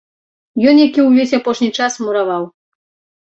Ён, як і ўвесь апошні час, мураваў.